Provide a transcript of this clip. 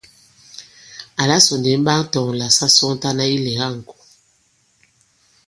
Àla sɔ̀ ndì m ɓaa tɔ̄ŋ àlà sa sɔŋtana ilɛ̀ga ìŋkò.